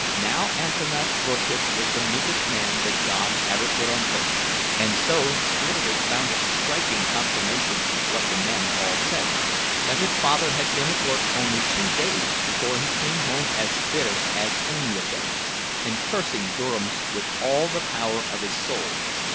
Now Antanas Rudkus was the meekest man that God ever put on earth; and so Jurgis found it a striking confirmation of what the men all said, that his father had been at work only two days before he came home as bitter as any of them, and cursing Durham's with all the power of his soul.